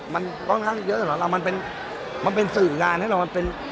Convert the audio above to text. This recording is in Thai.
มันค่อนข้างเยอะเหรอเรามันเป็นมันเป็นสื่องานให้เรามันเป็น